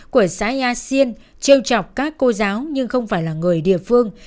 của xã yà xiên trêu chọc các cô giáo nhưng không phải là người địa phương